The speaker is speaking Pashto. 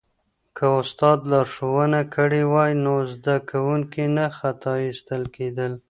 که استاد لارښوونه کړې وای نو زده کوونکی نه خطا استل کېدل.